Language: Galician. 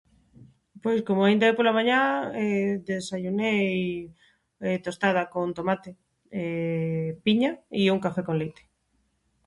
Pois como aínda é pola mañá desayunei tostada con tomate, piña i un café con leite.